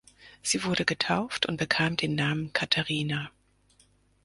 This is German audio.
Sie wurde getauft und bekam den Namen Katerina.